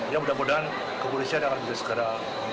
ya mudah mudahan kepolisian akan bisa segera